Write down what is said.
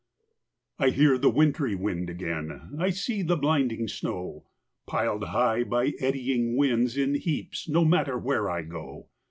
I hear the wintry wind again, I see the blinding snow, Pil'd high, by eddying winds, in heaps, No matter where I go.